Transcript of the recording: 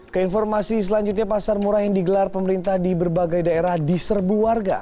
keinformasi selanjutnya pasar murah yang digelar pemerintah di berbagai daerah diserbu warga